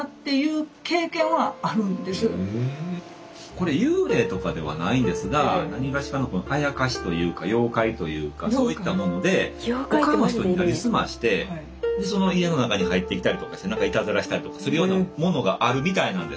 これ幽霊とかではないですが何がしかのこのあやかしというか妖怪というかそういったもので他の人になりすましてその家の中に入ってきたりとかしていたずらしたりとかするようなものがあるみたいなんですよ。